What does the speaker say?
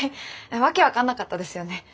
わけ分かんなかったですよね。